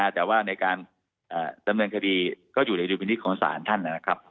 แต่ว่าในการดำเนินคดีก็อยู่ในดุลพินิษฐ์ของศาลท่านนะครับ